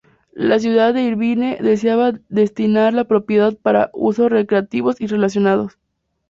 La ciudad de Irvine deseaba destinar la propiedad para uso recreativos y relacionados.